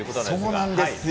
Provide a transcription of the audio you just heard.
そうなんですよ。